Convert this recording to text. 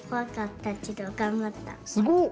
すごっ！